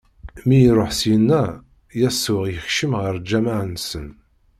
Mi iṛuḥ syenna, Yasuɛ ikcem ɣer lǧameɛ-nsen.